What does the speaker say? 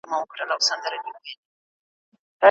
د زنا سزا د ټولني د عفت لپاره ده.